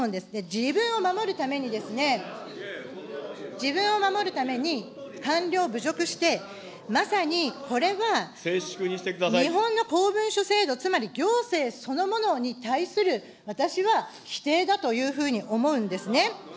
自分を守るために、自分を守るために官僚を侮辱して、まさにこれは日本の公文書制度、つまり行政そのものに対する私は否定だというふうに思うんですね。